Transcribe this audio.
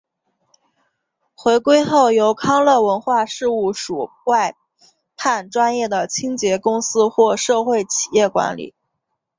回归后由康乐文化事务署外判专业的清洁公司或社会企业管理。